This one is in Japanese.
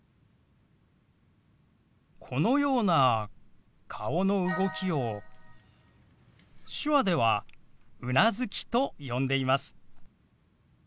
このような顔の動きを手話では「うなずき」と呼んでいます。